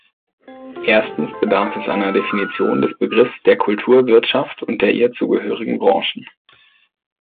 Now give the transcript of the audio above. Erstens bedarf es einer Definition des Begriffs der Kulturwirtschaft und der ihr zugehörigen Branchen.